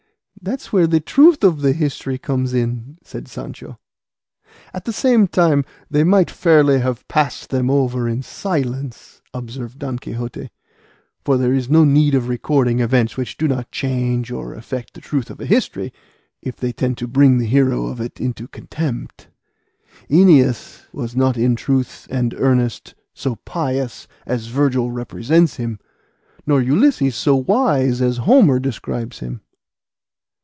"That's where the truth of the history comes in," said Sancho. "At the same time they might fairly have passed them over in silence," observed Don Quixote; "for there is no need of recording events which do not change or affect the truth of a history, if they tend to bring the hero of it into contempt. Æneas was not in truth and earnest so pious as Virgil represents him, nor Ulysses so wise as Homer describes him."